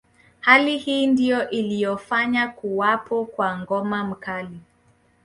Hali hii ndiyo iliyofanya kuwapo kwa mgomo mkali